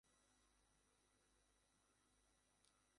এখানে একটি railway junction অবস্থিত।